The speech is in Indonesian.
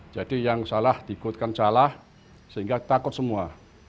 jadi yang salah digodkan salah sehingga takut semua